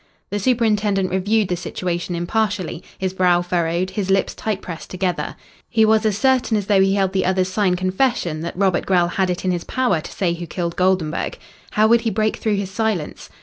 The superintendent reviewed the situation impartially, his brow furrowed, his lips tight pressed together. He was as certain as though he held the other's signed confession that Robert Grell had it in his power to say who killed Goldenburg. How would he break through his silence?